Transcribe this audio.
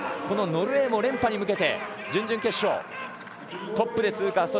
このノルウェーも連覇に向けて準々決勝、トップで通過。